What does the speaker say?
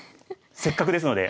せっかくですので。